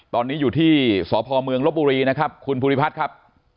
ตอนนี้อยู่ที่สพเมืองลบบุรีนะครับคุณภูริพัฒน์ครับ